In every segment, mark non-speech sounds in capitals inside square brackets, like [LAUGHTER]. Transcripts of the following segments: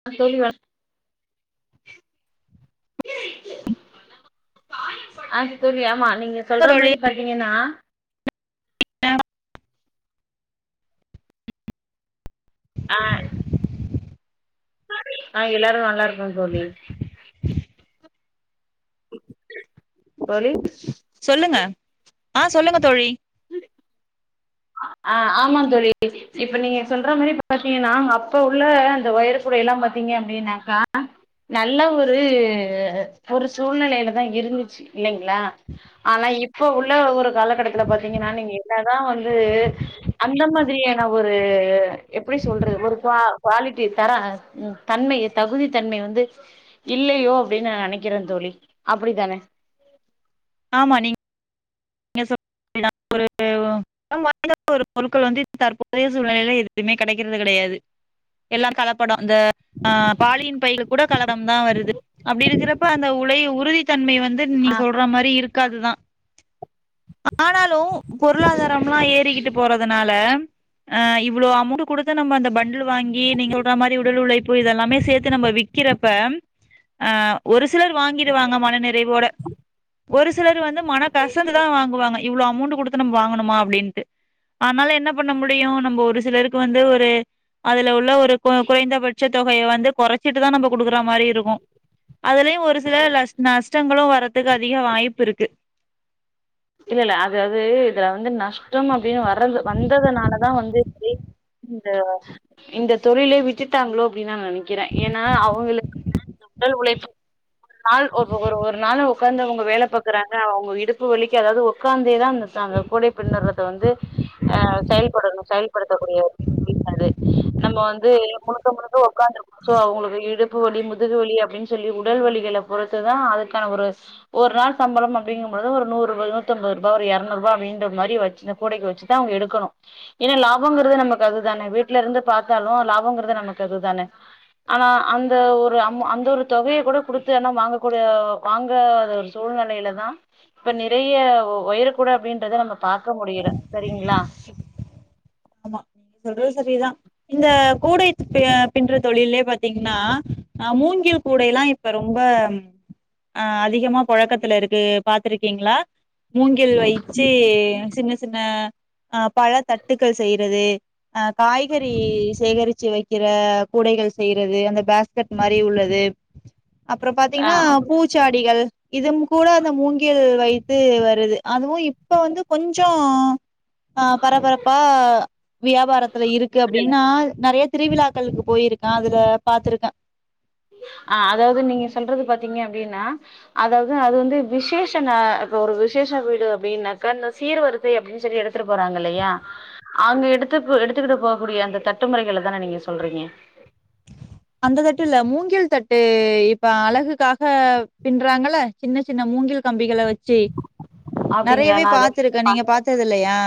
[UNINTELLIGIBLE] அது தோழி ஆமா நீங்க சொல்ற தோழி மாரி பாத்தீங்கன்னா ஆ ஆ எல்லாரு நல்லா இருக்கோ தோழி தோழி சொல்லுங்க ஆ சொல்லுங்க தோழி [UNINTELLIGIBLE] ஆ ஆமா தோழி இப்ப நீங்க சொல்ற மாரி பாத்தீங்கனா நாங்க அப்ப உள்ள அந்த ஒயறு கூடல்லா பாத்தீங்க அப்டின்னாக்கா நல்ல ஒரு ஒரு சூழ்நிலையிலதா இருந்துச்சு இல்லைங்களா ஆனா இப்ப உள்ள ஒரு காலகட்டத்துல பாத்தீங்கன்னா நீங்க என்னதா வந்து அந்த மாதிரியான ஒரு எப்டி சொல்ற ஒரு கு குவாலிட்டி தர உ தன்மை தகுதி தன்மை வந்து இல்லையோ அப்டின்னு நா நனைக்கிறே தோழி அப்டித்தான ஆமா நீங் நீங்க [INAUDIBLE] ஒரு ஓ நம் வாழ்ந்த ஒரு பொருட்கள் வந்து தற்போதைய சூழ்நிலையில எதுவுமே கெடைக்கிறது கெடையாது எல்லா கலப்படோ இந்த ஆ பாலியின் பைக கூட கலடம் தா வருது அப்படி இருக்கிறப்ப அந்த உலை உறுதி தன்மை வந்து ஆ நீங்க சொல்ற மாரி இருக் காதுதா ஆனாலு பொருளாதாரம்லா ஏறிக்கிட்டு போறதுனால அ இவ்ளோ அமௌண்ட் கொடுத்த நம்ம அந்த பண்டில் வாங்கி நீங்க சொடுற மாரி உடல் உழைப்பு இதெல்லாமே சேர்த்து நம்ம விக்கிறப்ப [INAUDIBLE] ஆ ஒரு சிலர் வாங்கிருவாங்க மன நிறைவோட ஒரு சிலர் வந்து மன கசப் புவாங்க இவ்ளோ அமௌண்ட் குடுத்து நம்ம வாங்கனுமா அப்டின்ட்டு ஆனால என்ன பண்ண முடியு நம்ம ஒரு சிலருக்கு வந்து ஒரு அதுல உள்ள ஒரு கு குறைந்தபட்ச தொகையை வந்து கொறைச்சிட்டுதா நம்ம குடுக்குற மாரி இருக்கு அதுலயு ஒரு சில லஷ் நஷ்டங்களு வர்றதுக்கு அதிக வாய்ப்பு இருக்கு. இல்ல இல்ல அதாது இதுல வந்து நஷ்டம் அப்டின்னு வரது வந்ததுனாலதா வந்து இந்த இந்த தொழிலே விட்டுட்டாங்களோ அப்டின் நா நெனைக்கிறே ஏன்னா அவங்களுக்கு உடல் உழைப்பு ஒரு நாள் ஒரு நாள் ஒக்காந்து அவங்க வேல பாக்குறாங்க அவங்க இடுப்பு வலி க்கி அதாவது ஒக்காந்தேதா அந்த அந்த கூடைய பின்னுறது வந்து ஆ செயல்படணு செயல்படுத்தக்கூடிய ஒரு தொழில் அது நம்ம வந்து முழுக்க முழுக்க ஒக்காந்துருப் சோ அவங்களுக்கு இடுப்பு வலி, முதுகு வலி அப்டின்னு சொல்லி உடல் வலிகள பொறுத்துதா அதுக்கான ஒரு ஒரு நாள் சம்பளம் அப்டிங்கும் பொழுது ஒரு நூறு ஒரு நூத்தம்பது ரூபா ஒரு இரநூறு ரூபா அப்டின்ற மாரி வச்ச கூடைக்கி வச்சிதா அவுங்க எடுக்கணு ஏன்னா லாபம்ங்கிறது நமக்கு அதுதான வீட்ல இருந்து பாத்தாலு லாபங்கிறது நமக்கு அதுதான ஆனா அந்த ஒரு அம் அந்த ஒரு தொகையை கூட குடுத்து யாருனா வாங்கக்கூடிய வாங்க சூழ்நிலையிலதா பெரிய ஒயர் கூட அப்டின்றத நம்ம பாக்க முடியல சரிங்களா ஆமா நீங்க சொல்றது சரிதா இந்த கூடை பின்ற தொழிலயே பாத்தீங்கன்னா ஆ மூங்கில் கூடைல்லா இப்ப ரொம்ப [INAUDIBLE] ஆ அதிகமா புழக்கத்துல இருக்கு பாத்துருக்கீங்களா மூங்கில் வைச்சி சின்ன சின்ன ஆ பழ தட்டுக்கள் செய்றது ஆ காய்கறி சேகரிச்சி வைக் கிற கூடைகள் செய்றது அந்த பேஸ்கட் மாரி உள்ளது அப்பறோ பாத்தீங்கன்னா ஆ பூச்சாடிகள் இதுவு கூட அந்த மூங்கில் வைத்து வருது அதுவு இப்ப வந்து கொஞ்சோ ஆ பரப்பரப்பா வியாபாரத்துல இருக்கு அப்டின்னா நெறையா திருவிழாக்களுக்கு போயிருக்கே அதுல பாத்துருக்கே ஆ அதாவது நீங்க சொல்றது பாத்தீங்க அப்டின்னா அதாவது அது வந்து விசேஷ நா இப்ப ஒரு விசேஷ வீடு அப்டின்னாக்க இந்த சீர்வரி சை அப்டின் சொல்லி எடுத்துட்டு போறாங்க இல்லையா அங்க எடுத்து எடுத்துக்கிட்டு போகக்கூடிய அந்த தட்டுமுறைகளை தான நீங்க சொல்றீங்க அந்த தட்டு இல்ல மூங்கில் தட்டு இப்ப அழகுக்காக பின்றாங்கல்ல சின்ன சின்ன மூங்கில் கம்பிகள வச்சி அப்டிங்களா நெறையவே நா அது பாத்துருக்கே நீங்க பாத்தது இல்லையா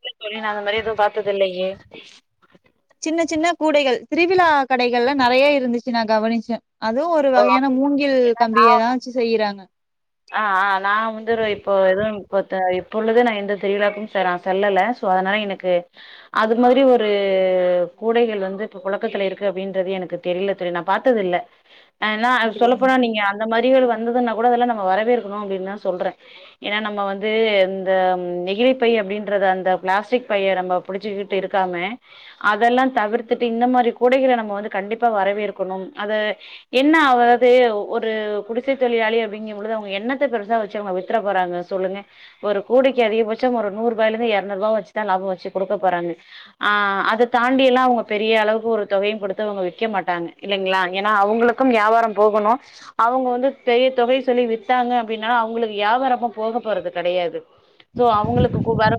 இல்ல தோழி நா அந்த மாரி எதவு பாத்தது இல்லையே சின்ன சின்ன கூடைகள் திருவிழா கடைகள்ல நெறையா இருந்துச்சி நா கவனிச்சே அதுவு ஒரு ஒரு ஓ வகையான மூங்கில் கம்பியதா வச்சி செய்றாங்க ஆ ஆ நா வந்து ஒரு இப்போ எதுவு இப்போ இப்ப உள்ளது நா எந்த திருவிழாக்கு நா செல்லல சோ அதனால எனக்கு அது மாதிரி ஒரு கூடைகள் வந்து இப்ப புழக்கத்துல இருக்கு அப்டின்றதே எனக்கு தெரியல தோழி நா பாத்தது இல்ல ஆனா அத அப்படி சொல்லப்போனா நீங்க அந்த மாறி ஒரு வந்ததுன்னா கூட அதெல்லா நம்ம வரவேற்கணு அப்டின்தா சொல்றே ஏன்னா நம்ம வந்து இந்த நெகிழி பை அப்டின்றத அந்த பிளாஸ்டிக் பைய நம்ம புடிச்சிக்கிட்டு இருக்காம அதெல்லா தவிர்த்துட்டு இந்த மாரி கூடைகள நம்ம வந்து கண்டிப்பா வரவேற்கணும் அத என்ன அவ்ளோது ஒரு குடிச தொழிலாளி அப்படிங்கம்பொழுது அவுங்க எண்ணத்த பெருசா வச்சி அவுங்க வித்தற போறாங்க சொல்லுங்க ஒரு கோடிக்கு அதிகபட்சம் ஒரு நூறு ரூபாய்ல இருந்து எரநூறு ரூபாவு வச்சிதா லாபம் வச்சி குடுக்க போறாங்க ஆ அத தாண்டி எல்லாம் அவுங்க பெரிய அளவுக்கு ஒரு தொகையும் கொடுத்து அவுங்க விக்க மாட்டாங்க இல்லைங்களா ஏனா அவங்களுக் கும் வியாபாரம் போகணும் அவுங்க வந்து பெரிய தொகை சொல்லி வித்தாங்க அப்டின்னா அவங்களுக்கு ஏபாரமு போக போறது கெடையாது சோ அவங்களுக்கு கு வர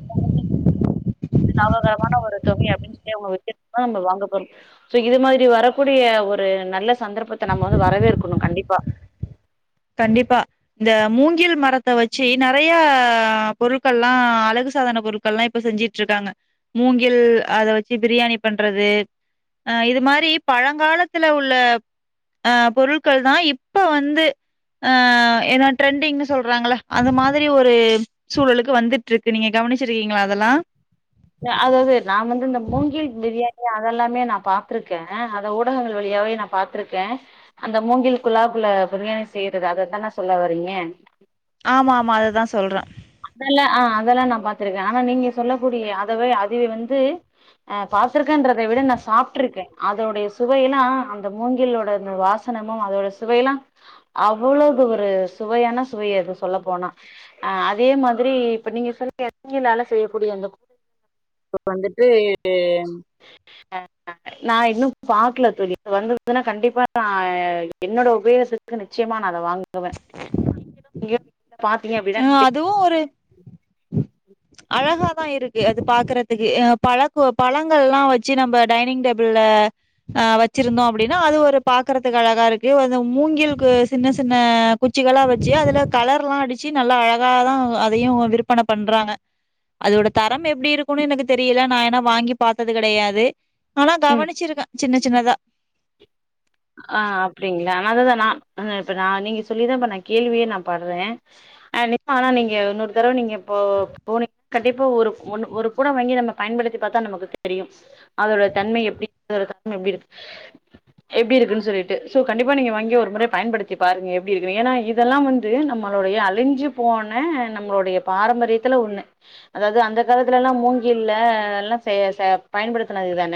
லாபகரமான ஒரு தொகை அப்டின் சொல்லி அவுங்க விக்கிரதா நம்ப வாங்க போறோம் சோ இது மாதிரி வரக்கூடிய ஒரு நல்ல சந்தர்ப்பத்த நம்ம வந்து வரவேற்கணும் கண்டிப்பா கண்டிப்பா இந்த மூங்கில் மரத்த வச்சி நறையா பொருட்கள்லா அழகு சாதன பொருட் கள்லா இப்ப செஞ்சிட்டு இருக்காங்க மூங்கில் அத வச்சி பிரியாணி பண்றது அ இது மாரி பழங்காலத்துல உள்ள ஆ பொருட்கள் தான் இப்ப வந்து ஆ ஏனா ட்ரண்டிங்ன்னு சொல்றாங்கள அந்த மாதிரி ஒரு சூழலுக்கு வந்துட்டு இருக்கு நீங்க கவனிச்சிருக்கீங்களா அதல்லா சோ அதாவது நான் வந்து இந்த மூங்கில் பிரியாணி அத எல்லாமே நா பாத்திருக்கேன் அத ஊடகங்கள் வழியாவே நா பாத் துருக்கேன் அந்த மூங்கில் குலாப்ல பிரியாணி செய்யறது அதுதான சொல்ல வரீங்க ஆமா ஆமா அதுதா சொல்றன் அதல்லா ஆ அதல்லா நா பாத்திருக்கேன் ஆனா நீங்க சொல்லக்கூடிய அதுவே அதுவே வந்து ஆ பாத்துருக்கேன்றதை விட நா சாப்ட்டுருக்கேன் அதோடைய சுவையெல்லா அந்த மூங்கிலோட அந்த வாச சனமோ அதோட சுவையல்லா அவ்ளோ ஒரு சுவையான சுவை அது சொல்ல போனா ஆ அதே மாதிரி இப்ப நீங்க சொல்ல [INAUDIBLE] மூங்கிளால செய்யக்கூடிய அந்த இப்ப வந்துட்டு ஆ நா இன்னும் பாக்கல தோழி வந்ததுன்னா கண்டிப்பா நா என்னோட உபயோகத்து க்கு நிச்சயமா நா அத வாங்குவ இங்க ம் அதுவும் ஒரு அழகா தா இருக்கு அது பாக்கறதுக்கு ஆ பழக்கு பழங்கள்லாம் வச்சி நம்ப டைனிங் டேபிள்ல ஆ வச்சிருந்தோம் அப்டின்னா அது ஒரு பாக்கறதுக்கு அழகா இருக்கு அந்த மூங்கில்க்கு சின்ன சின்ன குச்சிகலா வச்சி அதுல கலர்லாம் அடிச்சி நல்லா அழகாதா அதையும் விற்பன பண்றாங்க அதோட தரம் எப்டி இருக்குன்னு எனக்கு தெரியல நா ஏனா வாங்கி பாத்தது கெடையாது ஆனா ம் கவனிச்சிருக்கன் சின்ன சின்னதா ஆ அப்டிங்கிளா நா அதுதா நா இப்ப நா நீங்க சொல்லிதா இப்ப நா கேள்வியே நா படறன் ஆ [INAUDIBLE] ஆனா நீங்க இன்னொரு தடவ நீங்க இப்போ போனீங்க கண்டிப்பா ஒரு ஒன்னு ஒரு கூட வாங்கி நம்ம பயன்படுத்தி பாத்தா நமக்கு தெரியும் அதோட தன்ம எப்டி அதோட தன்ம எப்டி இருக்கு எப்டி இருக்குன் சொல்லிட்டு சோ கண்டிப்பா நீங்க வாங்கி ஒரு முற பயன்படுத்தி பாருங்க எப்டி இருக்குனு ஏனா இதெல்லா வந் து நம்மளுடைய அழிஞ்சி போன நம்மளுடைய பாரம்பரியத்துல ஒண்ணு அதாவது அந்த காலத்துலலா மூங்கில்ல எல்லாம் செய செ பயன்படுத்துனதுதான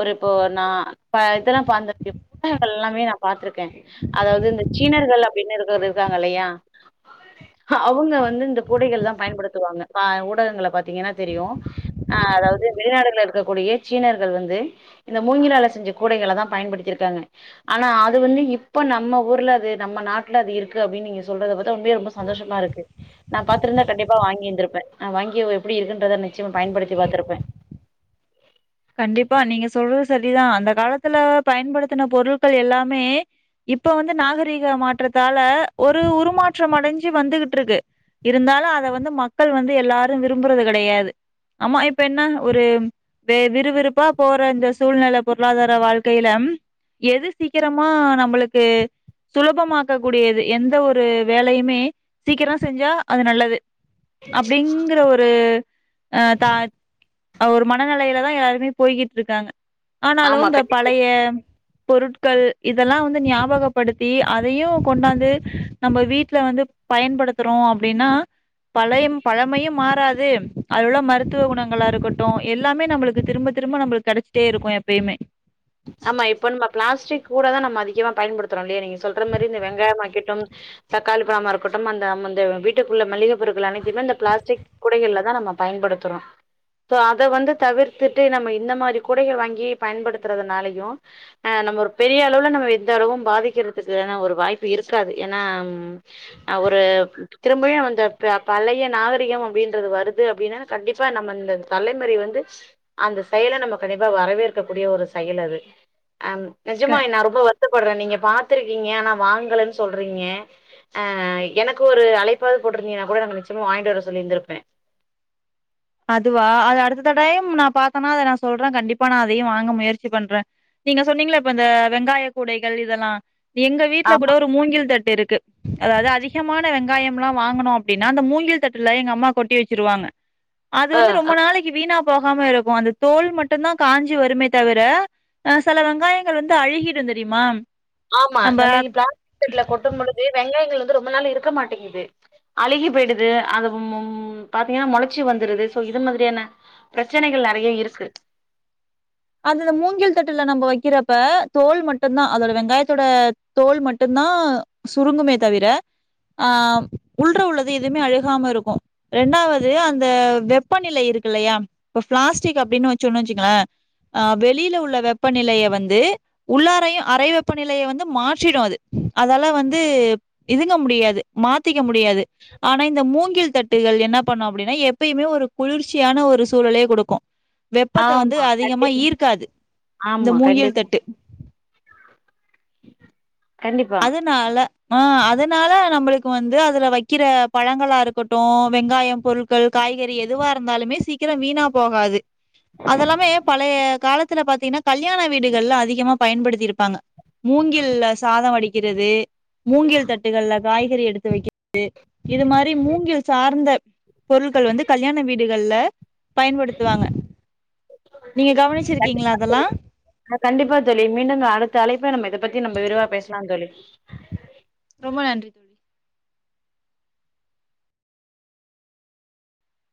ஒரு இப்போ நா இப்ப இதல்லா பாந்துருக்கே புத்தகங்கள் எல்லாமே நா பாத்துருக்கேன் அதாவது இந்த சீனர்கள் அப்டின்னு இருக்கறவரு இருக்காங்க இல்லையா அவுங்க வந்து இந்த கூடைகள்லா பயன்படுத்துவாங்க வ ஊடகங்கள பாத்தீங்கன்னா தெரியும் ஆ அதாவது வெளிநாடுகள இருக்கக் கூடிய சீனர்கள் வந்து இந்த மூங்கிலால செஞ்ச கூடைகள தா பயன்படுத்தியிருக்காங்க ஆனா அது வந்து இப்ப நம்ம ஊர்ல அது நம்ம நாட்ல அது இருக்கு அப்டின் நீங்க சொல்றத பாத்த உண்மைலியே ரொம்ப ஸ் சந்தோஷமா இருக்கு நா பாத்திருந்தா கண்டிப்பா வாங்கிந்திருப்பே நா வாங்கி எப்டி இருக்குன்றத நிச்சயமா பயன்டுத்தி பாத்திருப்பே கண்டிப்பா நீங்க சொல்றது செரிதா அந்த காலத்துல பயன்படுத்தின பொருட்கள் எல்லாமே இப்ப வந்து நாகரீக மாற்றத்தால ஒரு உருமாற்றம் அடைஞ்சு வந்துகிட்ருக்கு இருந்தாலு அத வந்து மக்கள் வந்து எல்லாரு விரும்புறது கெடையாது ஆமா இப்ப என்ன ஒரு வே விறுவிறுப்பா போற இந்த சூழ்நில பொருளாதார வாழ்க்கையில எது சீக்கிரமா நம்மூளுக்கு சுலபமாக்க கூடியது எந்த ஒரு வேலையுமே சீக்கர செஞ்சா அது நல்லது அப்டிங்கற ஒரு அ தா ஒரு மன நிலையிலதா யாருமே போய்கிட் இருக்காங்க ஆனாலு ஆமா இந்த கண்டிப்பா பழைய பொருட் கள் இதெல்லா வந்து ஞாபகப்படுத்தி அதையு கொண்டாந்து நம்ம வீட்ல வந்து பயன்படுத்துறோ அப்டினா பழயம் பழமையு மாறாது அதுள்ள மருத்துவ குணங்களா இருக்கட்டு எல்லாமே நம்புளுக்கு திரும்ப திரும்ப நம்புளுக் கெடைச்சிட்டே இருக்கு எப்பயுமே ஆமா இப்பன் நம்ம ப்ளாஸ்டிக் கூடதா நம்ம அதிகமா பயன்படுத்துறோல்லைய நீங்க சொல்ற மாரி இந்த வெங்காய மாக்கெட்டும் தக்காளி பழமா இருக்கட்டும் அந்த ம் அந்த வீட்டுக்குள்ள மள்ளிக பொருட்கள் அனைத்தையுமே இந்த ப்ளாஸ்டிக் குடைகள்ல தா நம்ம பயன்படுத்துறோ சோ அத வந்து தவிர்த்துட்டு நம்ம இந்த மாரி குடைக வாங்கி பயன்படுத்துறதுனாலையு ஆ நம்ம ஒரு பெரிய அளவுல நம்ம எந்த அளவும் பாதிக்கிறதுக்கான ஒரு வாய்ப்பு இருக்காது ஏன்னா ம் அவுரு திரும்பயு அந்த ப பழைய நாகரிகம் அப்டின்றது வருது அப்டினா கண்டிப்பா நம்ம இந்த தலைமுறை வந்து அந்த செயல நம்ம கண்டிப்பா வரவேற்க்க கூடிய ஒரு செயலது அம் நெஜமா க எல்லாருக்கு வந் வருத்தப்பட்றே நீங்க பாத்துருக்கீங்க ஆனா வாங்கலன் சொல்றீங்க ஆ எனக்கு ஒரு அழைப்பாது போட்டிருந்தீங்கனா கூட நா அங்க நிச்சமா வாங்கிட் வர சொல்லிருந்திருப்பே அதுவா அது அடுத்த டைம் நா பாத்தேனா அத நா சொல்றே கண்டிப்பா நா அதையு வாங்க முயற்சி பண்றே நீங்க சொன்னீங்கள இப்ப இந்த வெங்காய கூடைகள் இதெல்லா எங்க வீட்ல கூட ஆமா. ஒரு மூங்கில் தட் இருக்கு அதாவது அதிகமான வெங்காயம்ல்லா வாங்கனோ அப்டினா அந்த மூங்கில் தட்ல எங்க அம்மா கொட்டி வெச்சிருவாங்க அது அ வந்து ரொம்ப நாளைக்கு வீணா போகாம இருக்கு அந்த தோல் மட்டுந்தா காஞ்சி வருமே தவிர அ சில வெங்காயங்கள் வந்து அழுகிடு தெரியுமா ஆமா நம்ம இப் ப்ளாஸ்டிக்ல கொட்டும் பொழுது வெங்காயங்கள் வந்து ரொம்ப நாள் இருக்க மாட்டேங்குது அழுகி போய்டுது அதும் மொம் பாத்தீங்கனா முளச்சி வந்துடுது சோ இது மாத்ரியான பிரச்சனைகள் நெறைய இருக்கு அதல மூங்கில் தட்டுல நம்ம வெக்கிறப்ப தோல் மட்டுந்தா அதோட வெங்காயத்தோட தோல் மட்டுந்தா சுருங்குமே தவிர ஆ உள்ற உள்ளது எதுமே அழுகாம இருக்கு ரெண்டாவது அந்த வெப்பநிலை இருக்கில்லயா இப்ப ப்ளாஸ்டிக் அப்டின் வெச்சோன் வெச்சுங்களே அ வெளியில உள்ள வெப்பநிலைய வந்து உள்ளாரையு அறை வெப்பநிலைய வந்து மாற்றிடு அது அதால வந்து இதுங்க முடியாது மாத்திக்க முடியாது ஆனா இந்த மூங்கில் தட்டுகள் என்ன பண்ணு அப்டினா எப்பயுமே ஒரு குளிர்ச்சியான ஒரு சூழலே குடுக்கு வெப்பத்த வந்து ஆமா. அதிகமா கண்டிப்பா. ஈர்க்காது இந்த ஆமா. முங்கில் கண்டிப்பா, தட்டு கண்டிப்பா அதனால ஆ அதனால நம்ளுக்கு வந்து அதுல வக்கிற பழங்களா இருக்கட்டு வெங்காயம் பொருட் கள் காய்கறி எதுவா இருந்தாலுமே சீக்கிர வீணா போகாது அதல்லாமே பழைய காலத்துல பாத்தீனா கல்யாண வீடுகள்ல அதிகமா பயன்படுத்திருப்பாங்க மூங்கில்ல சாத வடிக்கிறது மூங்கில் தட்டுகள்ல காய்கறி எடுத்து வைக்கிறது இது மாரி மூங்கில் சார்ந்த பொருள்கள் வந்து கல்யாண வீடுகள்ல பயன்படுத்துவாங்க நீங்க கவனிச்சிருக்கீங்ளா அதெல்லா கண்டிப்பா தோழி மீண்டும் அடுத்த அழைப்ல நம்ம இத பத்தி நம்ம விரிவா பேசலான் தோழி ரொம்ப நன்றி